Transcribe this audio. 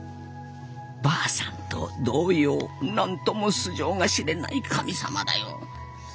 婆さんと同様なんとも素性が知れない神様だよ。